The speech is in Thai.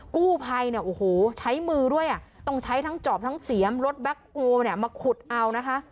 กู้ภัยใช้มือด้วยต้องใช้ทั้งจอบทั้งเสียมรถแบคโฮคมาขุดเอานะคะ